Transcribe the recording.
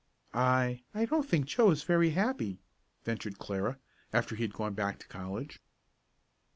"I I don't think Joe is very happy," ventured Clara, after he had gone back to college.